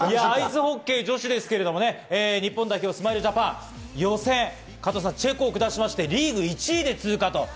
アイスホッケー女子ですけれども、日本代表スマイルジャパン、予選、チェコを下しましてリーグ１位で通過と。